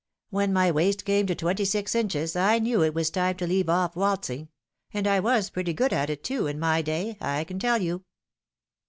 When my waist came to twenty six inches I knew it was time to leave off waltz ing ; and I was pretty good at it, too, in my day, I can tell you."